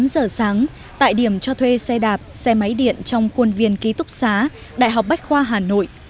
tám giờ sáng tại điểm cho thuê xe đạp xe máy điện trong khuôn viên ký túc xá đại học bách khoa hà nội